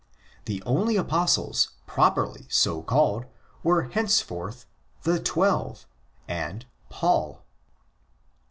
The only Apostles properly so called were henceforth '' the Twelve" and Paul.